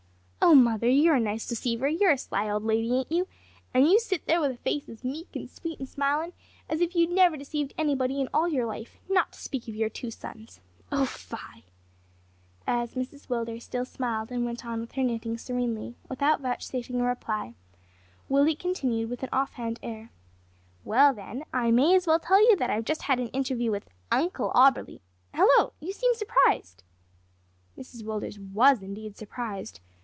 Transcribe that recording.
"Oh, mother, you're a nice deceiver; you're a sly old lady, ain't you? and you sit there with a face as meek and sweet and smiling as if you had never deceived anybody in all your life, not to speak of your two sons. O, fy!" As Mrs Willders still smiled and went on with her knitting serenely, without vouchsafing a reply, Willie continued with an off hand air "Well, then, I may as well tell you that I have just had an interview with Uncle Auberly hallo! you seem surprised." Mrs Willders was indeed surprised.